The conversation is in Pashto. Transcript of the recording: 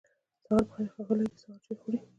سهار پخير ښاغلی دی سهار چای خوری